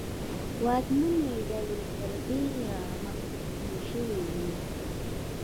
واکمنې ډلې تر ډېره محدودې شوې وې.